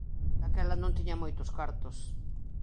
Daquela non tiña moitos cartos.